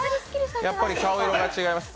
やっぱり顔色が違います。